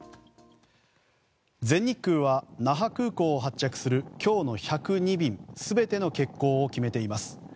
全日空は、那覇空港を発着する今日の１０２便全ての欠航を決めています。